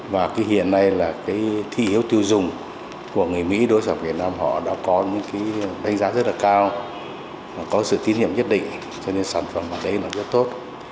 và hiện nay là thị hiếu tiêu dùng của người mỹ đối xử với việt nam đã có đánh giá rất cao có sự tiến hiểm nhất định cho nên sản phẩm ở đây rất tốt